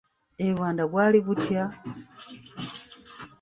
E Rwanda gwali gutya?